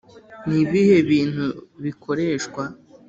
ni ibihe bintu bikoreshwa?